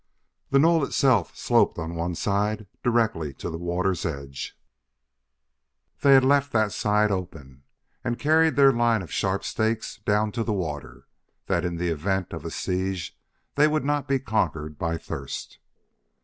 The knoll itself sloped on one side directly to the water's edge: they had left that side open and carried their line of sharp stakes down to the water, that in the event of a siege they would not be conquered by thirst.